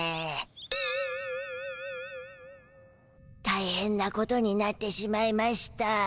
たいへんなことになってしまいましゅた。